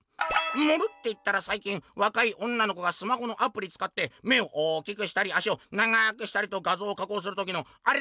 「『盛る』っていったらさい近わかい女の子がスマホのアプリつかって目を大きくしたり足を長くしたりと画像を加工する時のアレだよね？」。